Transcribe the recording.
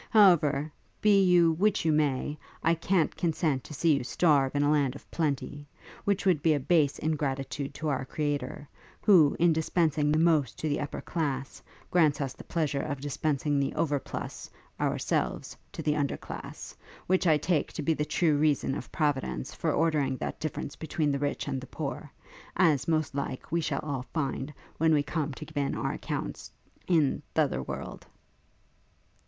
However, be you which you may, I can't consent to see you starve in a land of plenty; which would be a base ingratitude to our Creator, who, in dispensing the most to the upper class; grants us the pleasure of dispensing the overplus, ourselves, to the under class; which I take to be the true reason of Providence for ordering that difference between the rich and the poor; as, most like, we shall all find, when we come to give in our accounts in t'other world.'